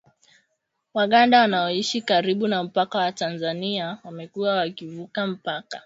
Waganda wanaoishi karibu na mpaka wa Tanzania wamekuwa wakivuka mpaka